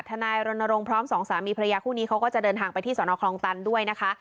นายรณรงค์พร้อมสองสามีภรรยาคู่นี้เขาก็จะเดินทางไปที่สนคลองตันด้วยนะคะ